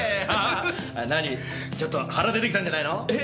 あ何ちょっと腹出てきたんじゃないの？え？